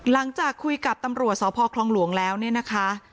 หลังจากคุยกับตำรวจสคลแล้วนี่นะคะ